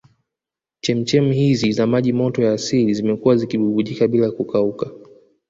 Chemchem hizi za maji moto ya asili zimekuwa zikibubujika bila kukauka